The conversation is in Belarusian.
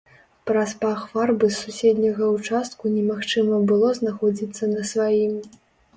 Праз пах фарбы з суседняга ўчастку немагчыма было знаходзіцца на сваім.